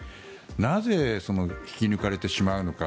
なぜ、引き抜かれてしまうのか